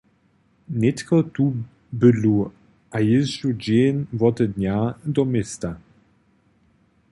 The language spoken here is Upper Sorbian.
Nětko tu bydlu a jězdźu dźeń wote dnja do města.